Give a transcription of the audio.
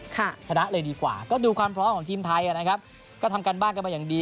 ชนะเลยดีกว่าก็ดูความพร้อมของทีมไทยนะครับก็ทำการบ้านกันมาอย่างดี